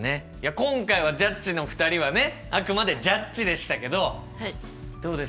今回はジャッジの２人はねあくまでジャッジでしたけどどうです？